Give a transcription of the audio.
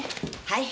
はい。